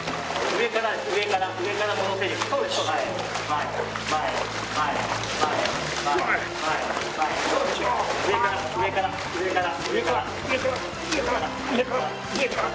上から上から上から上から。